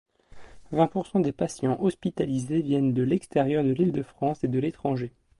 Vingt pour cent des patients hospitalisés viennent de l'extérieur de l'Île-de-France et de l'étranger.